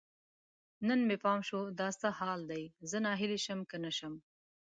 نن مې پام شو، دا څه حال دی؟ زه ناهیلی شم که نه شم